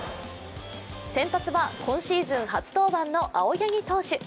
先発は今シーズン初登板の青柳投手。